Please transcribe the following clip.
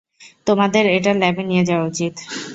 তোমাদের এটা ল্যাবে নিয়ে যাওয়া উচিত।